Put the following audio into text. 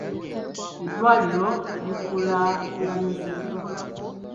Eddwaliro likulaakulanyiziddwa.